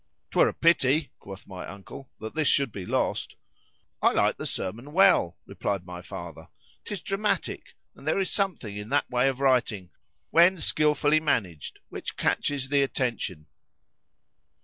——'Twere a pity, quoth my uncle, that this should be lost. I like the sermon well, replied my father,——'tis dramatick,—and there is something in that way of writing, when skilfully managed, which catches the attention.